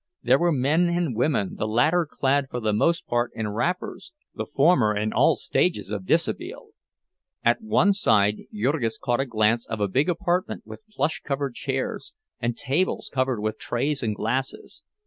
There were men and women, the latter clad for the most part in wrappers, the former in all stages of déshabille. At one side Jurgis caught a glimpse of a big apartment with plush covered chairs, and tables covered with trays and glasses.